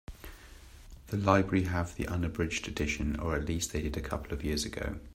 The library have the unabridged edition, or at least they did a couple of years ago.